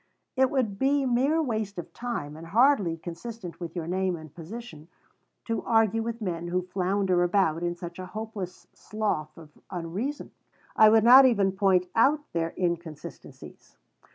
"It would be mere waste of time and hardly consistent with your name and position to argue with men who flounder about in such a hopeless slough of unreason. I would not even point out their inconsistencies.